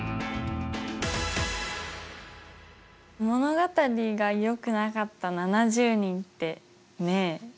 物語がよくなかった７０人ってねえ。